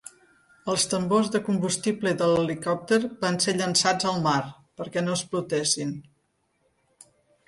Els tambors de combustible de l'helicòpter van ser llançats al mar, perquè no explotessin.